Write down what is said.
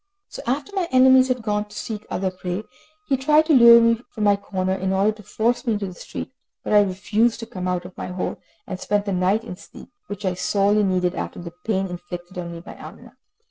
So after my enemies had gone to seek other prey, he tried to lure me from my corner in order to force me into the street. But I refused to come out of my hole, and spent the night in sleep, which I sorely needed, after the pain inflicted on me by Amina.